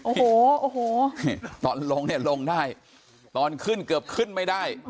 โอ้โหโอ้โหตอนลงเนี่ยลงได้ตอนขึ้นเกือบขึ้นไม่ได้